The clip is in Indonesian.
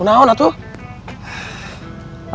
udah tau gak tuh